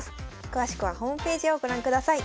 詳しくはホームページをご覧ください。